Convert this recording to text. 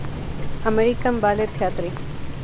American Ballet Theatre.